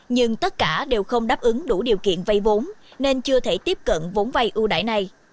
nhưng tất cả đều không đáp ứng đủ điều kiện vay vốn nên chưa thể tiếp cận vốn vay ưu đại này